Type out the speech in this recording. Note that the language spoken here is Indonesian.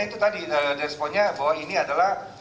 itu tadi responnya bahwa ini adalah